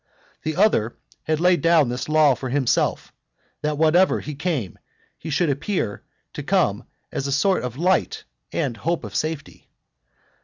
The other had laid down this law for himself, that wherever he came he should appear to come as a sort of light and hope of safety.